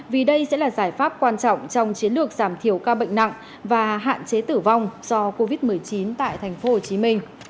vì đây sẽ là giải pháp quan trọng trong chiến lược giảm thiểu ca bệnh nặng và hạn chế tử vong do covid một mươi chín tại tp hcm